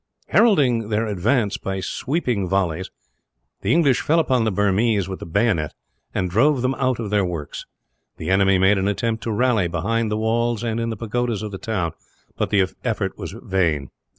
Heralding their advance by sweeping volleys, they fell upon the Burmese with the bayonet, and drove them out of their works. The enemy made an attempt to rally, behind the walls and in the pagodas of the town, but the effort was vain.